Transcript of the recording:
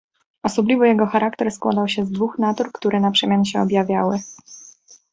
"Osobliwy jego charakter składał się z dwóch natur, które naprzemian się objawiały."